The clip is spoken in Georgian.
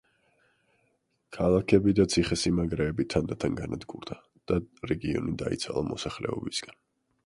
ქალაქები და ციხესიმაგრეები თანდათან განადგურდა და რეგიონი დაიცალა მოსახლეობისაგან.